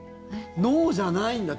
脳じゃないんだ。